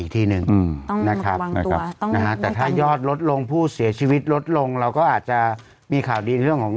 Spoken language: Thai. แต่ถ้ายอดลดลงผู้เสียชีวิตลดลงเราก็อาจจะมีข่าวดีในเรื่องของ